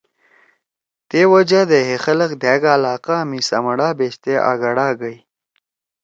تے وجہ دے ہے خلگ دھأک علاقہ می سمَڑا بیشتے آگڑا گئی۔